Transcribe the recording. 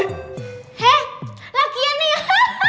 hei lagian nih